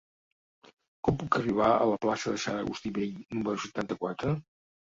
Com puc arribar a la plaça de Sant Agustí Vell número setanta-quatre?